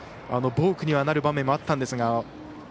ボークになる場面もあったんですが。